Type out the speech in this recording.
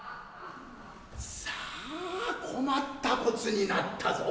さあ困った事になったぞ。